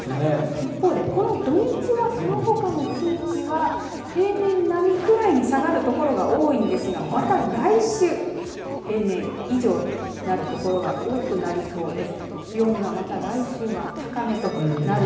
一方でこの土日やそのほかの地域は平年並みくらいに下がる所が多いんですがまた来週平年以上となる所が多くなりそうです。